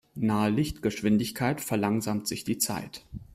Nahe Lichtgeschwindigkeit verlangsamt sich die Zeit.